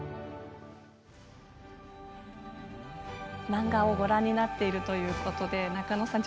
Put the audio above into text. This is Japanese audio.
漫画をご覧になっているということで仲野さん